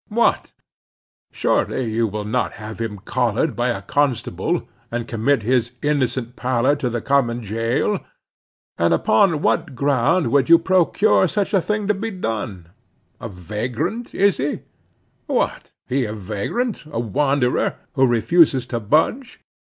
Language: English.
What! surely you will not have him collared by a constable, and commit his innocent pallor to the common jail? And upon what ground could you procure such a thing to be done?—a vagrant, is he? What! he a vagrant, a wanderer, who refuses to budge?